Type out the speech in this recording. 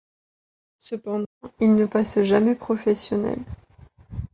Cependant, il ne passe jamais professionnel.